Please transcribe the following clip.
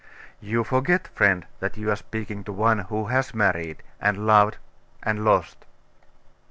'You forget, friend, that you are speaking to one who has married, and loved and lost.